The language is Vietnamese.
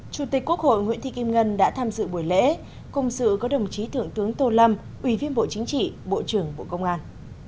chủ tịch quốc hội nguyễn thị kim ngân đã tham dự buổi lễ cùng sự có đồng chí thượng tướng tô lâm ủy viên bộ chính trị bộ trưởng bộ công an